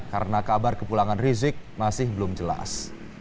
karena kabar kepulangan rizik masih belum jelas